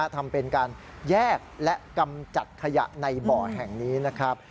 ทำเป็นการแยกและกำจัดขยะในบ่อแห่งนี้นะครับ